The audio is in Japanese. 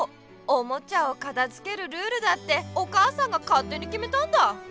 おもちゃをかたづけるルールだってお母さんがかってにきめたんだ。